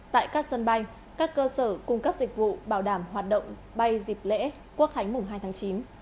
tại các sân bay các cơ sở cung cấp dịch vụ bảo đảm hoạt động bay dịp lễ quốc khánh mùng hai tháng chín